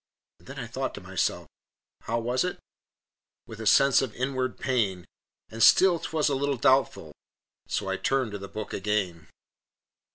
Then I thought to myself, "How was it?" With a sense of inward pain, And still 'twas a little doubtful, So I turned to the book again.